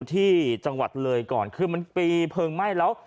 ที่จังหวัดเลยก่อนคือมันปีเพลิงไหม้แล้ว